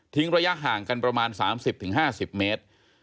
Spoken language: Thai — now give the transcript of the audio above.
ระยะห่างกันประมาณ๓๐๕๐เมตร